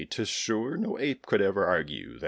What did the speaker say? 'Tis sure No ape could ever argue.